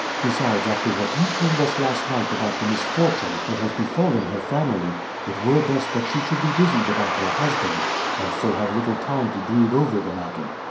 Besides, after what you told us last night about the misfortune that has befallen her family, it were best that she should be busied about her husband, and so have little time to brood over the matter.